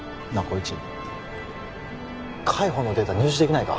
紘一海保のデータ入手できないか？